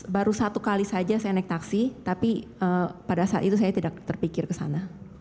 baru satu kali saja saya naik taksi tapi pada saat itu saya tidak terpikir ke sana